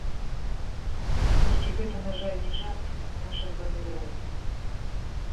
Толькі гэта, на жаль, не жарт, а наша з вамі рэальнасць.